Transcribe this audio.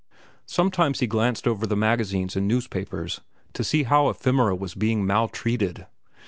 Sometimes he glanced over the magazines and newspapers to see how "Ephemera" was being maltreated.